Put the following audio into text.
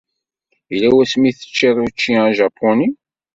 Yella wasmi ay teččid učči ajapuni?